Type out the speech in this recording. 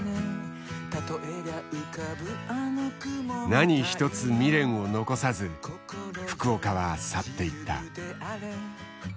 何一つ未練を残さず福岡は去っていった。